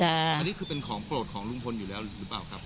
อันนี้คือเป็นของโปรดของลุงพลอยู่แล้วหรือเปล่าครับ